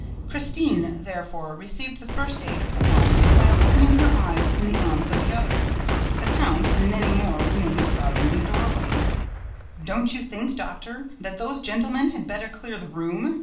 Christine, therefore, received the first aid of the one, while opening her eyes in the arms of the other. The count and many more remained crowding in the doorway. "Don't you think, Doctor, that those gentlemen had better clear the room?"